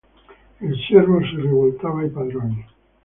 Il servo si rivoltava ai padroni.